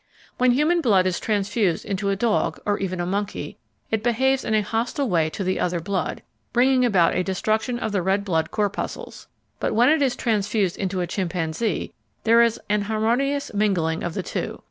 When human blood is transfused into a dog or even a monkey, it behaves in a hostile way to the other blood, bringing about a destruction of the red blood corpuscles. But when it is transfused into a chimpanzee there is an harmonious mingling of the two.